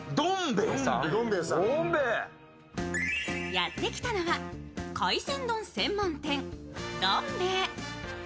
やってきたのは海鮮丼専門店、丼兵衛。